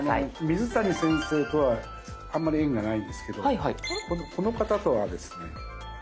水谷先生とはあんまり縁がないんですけどこの方とはですね。